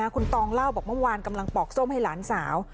คุณตองเล่าตอนเมื่อว่างเหมือนปอกส้มหลานสาว